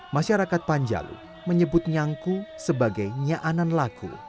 masyarakat panjalu menyebut nyangku sebagai nyaanan laku